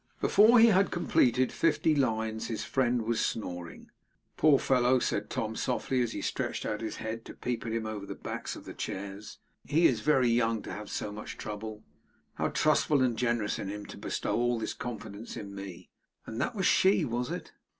Before he had completed fifty lines his friend was snoring. 'Poor fellow!' said Tom, softly, as he stretched out his head to peep at him over the backs of the chairs. 'He is very young to have so much trouble. How trustful and generous in him to bestow all this confidence in me. And that was she, was it?